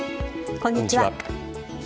こんにちは。